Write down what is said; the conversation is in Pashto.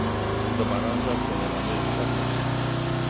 د باران ږغ د یارانې احساس ورکوي.